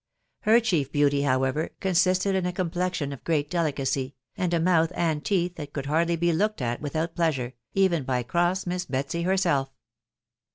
Her chief beauty, however, consisted in a complexion of great delicacy, and a mouth and teeth thai could hardly be looked at without pleasure, even by cross Miss Betsy herself.